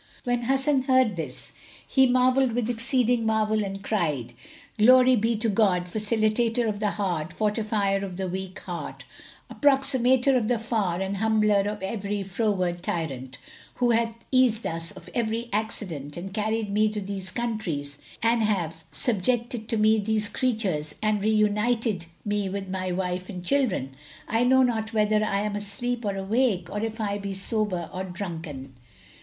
When Hasan heard this, he marvelled with exceeding marvel and cried, "Glory be to God, Facilitator of the hard, Fortifier of the weak heart, Approximator of the far and Humbler of every froward tyrant, Who hath eased us of every accident and carried me to these countries and subjected to me these creatures and reunited me with my wife and children! I know not whether I am asleep or awake or if I be sober or drunken!"